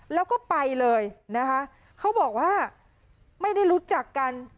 แล้วก็ไปเลยนะคะเขาบอกว่าไม่ได้รู้จักกัน